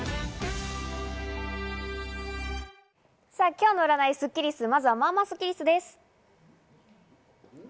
今日の占いスッキりす、まずはまぁまぁスッキりすです。